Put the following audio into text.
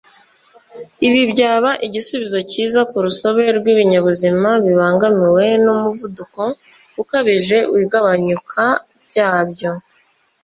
Ibi byaba igisubizo cyiza ku rusobe rw’ibinyabuzima bibangamiwe n’umuvuduko ukabije w’igabanyuka ryabyo